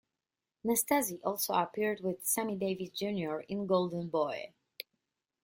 Nastasi also appeared with Sammy Davis Junior in "Golden Boy".